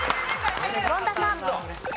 権田さん。